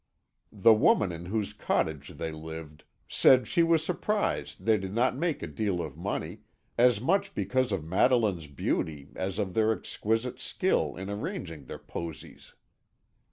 The woman in whose cottage they lived said she was surprised that they did not make a deal of money, as much because of Madeline's beauty as of their exquisite skill in arranging their posies.